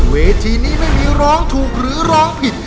เวทีนี้ไม่มีร้องถูกหรือร้องผิด